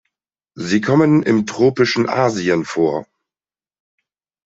Sie kommen im tropischen Asien vor.